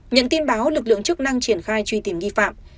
nhận tin báo lực lượng chức năng triển khai truy tìm nghi phạm